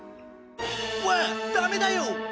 わあっダメだよ！